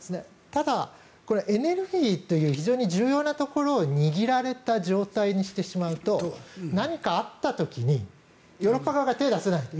ただ、エネルギーという非常に重要なところを握られた状態にしてしまうと何かあった時にヨーロッパ側が手を出せないと。